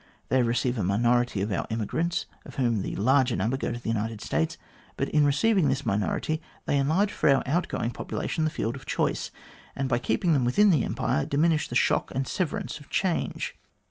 They receive a minority of our emigrants, of whom the larger number go to the United States ; but, in receiving this minority, they enlarge for our outgoing population the field of choice, and by keeping them within the Empire, diminish the shock and severance of change.